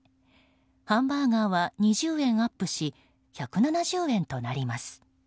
ハンバーガーは２０円アップし１７０円となります。